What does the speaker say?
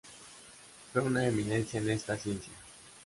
Fue una eminencia en esta ciencia.